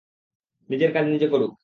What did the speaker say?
নিজের কাজ নিজে করুক।